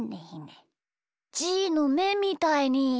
じーのめみたいに。